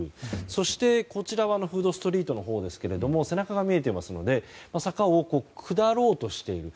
そしてフードストリートのほうですが背中が見えていますので坂を下ろうとしている。